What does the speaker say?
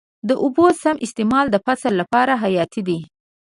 د اوبو سم استعمال د فصل لپاره حیاتي دی.